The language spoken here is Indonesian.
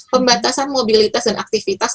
pembatasan mobilitas dan aktivitas